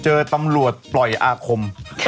เจอตำรวจปล่อยอาคม